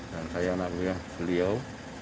dan saya anak beliau